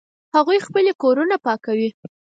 هغوی خپلې کورونه پاکوي